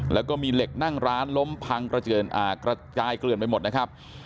แล้วก็มีเหล็กนั่งร้านล้มพังกระจายเกลื่อนไปหมดนะครับ